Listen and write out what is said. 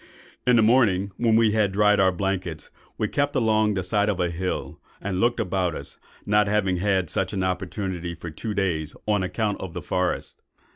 "In the morning, when we had dried our blankets, we kept along the side of a hill, and looked about us, not having had such an opportunity for two days, on account of the forest.